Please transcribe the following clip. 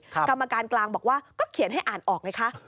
กรรมการกลางบอกว่าก็เขียนให้อ่านออกไงคะ